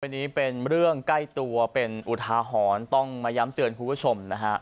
อันนี้เป็นเรื่องใกล้ตัวเป็นอุทาหรณ์ต้องมาย้ำเตือนคุณผู้ชมนะฮะ